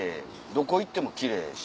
どこ行っても奇麗やし。